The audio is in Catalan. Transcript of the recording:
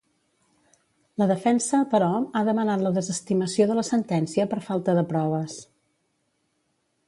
La defensa, però, ha demanat la desestimació de la sentència per falta de proves.